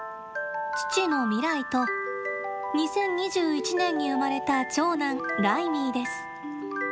父のミライと２０２１年に生まれた長男ライミーです。